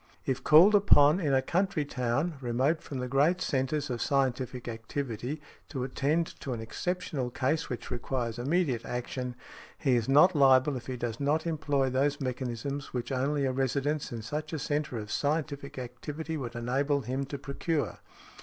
If called upon in a country town, remote from the great centres of scientific activity, to attend to an exceptional case which requires immediate action, he is not liable if he does not employ those mechanisms which only a residence in such a centre of scientific activity would enable him to procure.